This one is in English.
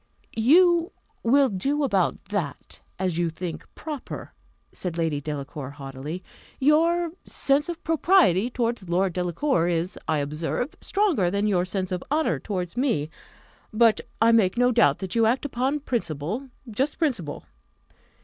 "You will do about that as you think proper," said Lady Delacour haughtily. "Your sense of propriety towards Lord Delacour is, I observe, stronger than your sense of honour towards me. But I make no doubt that you act upon principle just principle.